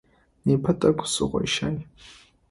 Непэ тӏэкӏу сыгъойщай.